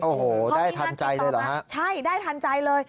โอ้โฮได้ทันใจเลยเหรอฮะพอมีงานติดต่อมาใช่ได้ทันใจเลย